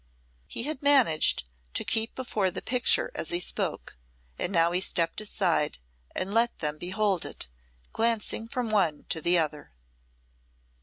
He had managed to keep before the picture as he spoke, and now he stepped aside and let them behold it, glancing from one to the other.